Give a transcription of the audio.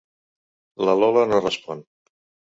La Lola no respon.